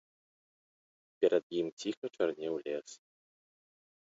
Перад ім ціха чарнеў лес.